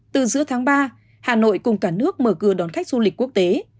từ giữa tháng ba hà nội cùng cả nước mở cửa đón khách du lịch quốc tế